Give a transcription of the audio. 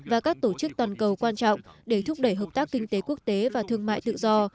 và các tổ chức toàn cầu quan trọng để thúc đẩy hợp tác kinh tế quốc tế và thương mại tự do